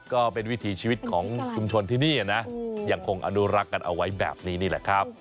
ก็เป็นวิถีชีวิตของชุมชนที่นี่นะยังคงอนุรักษ์กันเอาไว้แบบนี้นี่แหละครับ